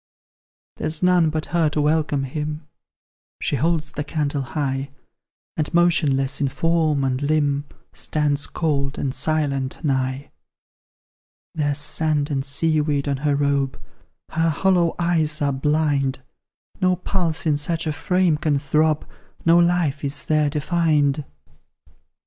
There's none but her to welcome him; She holds the candle high, And, motionless in form and limb, Stands cold and silent nigh; There's sand and sea weed on her robe, Her hollow eyes are blind; No pulse in such a frame can throb, No life is there defined.